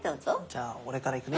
じゃあ俺からいくね。